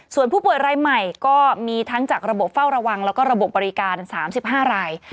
ส่วนผู้ป่วยรายใหม่ก็มีทั้งจากระบบเฝ้าระวังแล้วก็ระบบบบริการ๓๕ราย